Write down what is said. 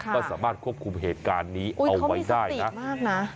ค่ะก็สามารถควบคุมเหตุการณ์นี้เอาไว้ได้นะอุ้ยเขามีสติมากน่ะ